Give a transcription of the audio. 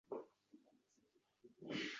Tarvuz xarid qilishning oltin qoidasi